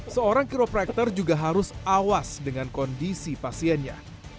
seorang kiroprakter juga harus awas dengan kondisi pasiennya